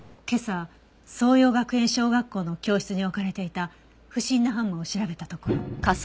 今朝爽葉学園小学校の教室に置かれていた不審なハンマーを調べたところ。